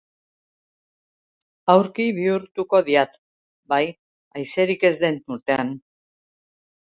Aurki bihurtuko diat. —Bai, haizerik ez den urtean.